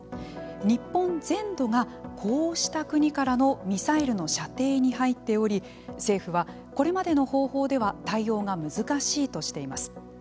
日本全土が、こうした国からのミサイルの射程に入っており政府は、これまでの方法では対応が難しいとしています。